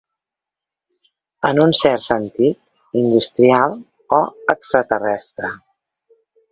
En un cert sentit, industrial o extraterrestre.